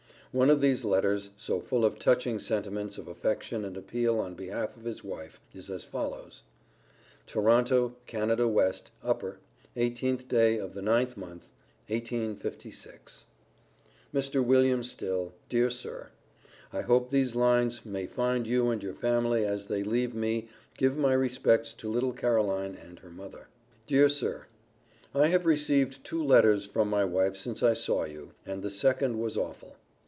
One of these letters, so full of touching sentiments of affection and appeal on behalf of his wife, is as follows: TORONTO, Canada West, upper, 18th day of the 9th mo., 1856. MR. WILLIAM STILL: Dear Sir I hope these lines may find you and your family as they leave me give my respects to little Caroline and her mother. Dear Sir, I have received two letters from my wife since I saw you, and the second was awful.